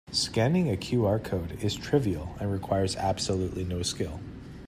Scanning a QR code is trivial and requires absolutely no skill.